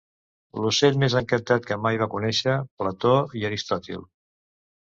L'ocell més encantat que mai van conèixer Plató i Aristòtil.